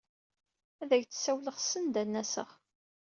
Ad ak-d-ssawleɣ send ad n-aseɣ.